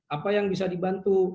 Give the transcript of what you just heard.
apa yang bisa dibantu